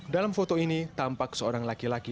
dalam foto ini tampak seorang laki laki